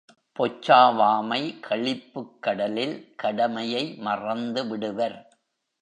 பொச்சாவாமை களிப்புக்கடலில் கடமையை மறந்துவிடுவர்.